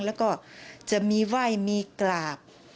แล้วก็จะมีไหว้มีกราบ